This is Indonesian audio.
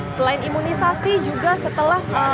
selain imunisasi juga setelah